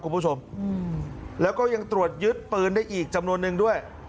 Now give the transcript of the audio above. คุณผู้ชมแล้วก็ยังตรวจยึดปืนได้อีกจำนวนนึงด้วย